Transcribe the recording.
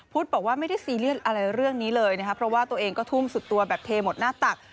บอกว่าไม่ได้ซีเรียสอะไรเรื่องนี้เลยนะครับเพราะว่าตัวเองก็ทุ่มสุดตัวแบบเทหมดหน้าตัก